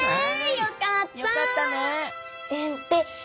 よかったね。